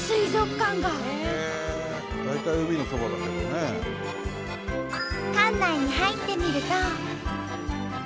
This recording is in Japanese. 館内に入ってみると。